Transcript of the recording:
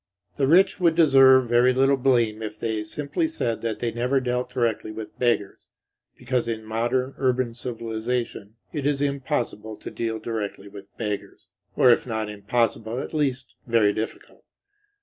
The rich would deserve very little blame if they simply said that they never dealt directly with beggars, because in modern urban civilization it is impossible to deal directly with beggars; or if not impossible, at least very difficult.